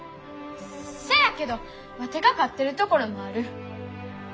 せやけどワテが勝ってるところもある。